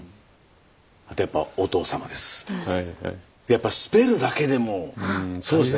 やっぱスペルだけでもそうですね